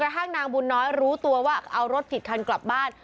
ทั้งนางบุญน้อยรู้ตัวว่าเอารถผิดคันกลับบ้าน